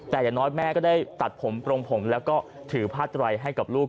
แต่อย่างน้อยแม่ก็ได้ตัดผมโปรงผมแล้วก็ถือผ้าไตรให้กับลูก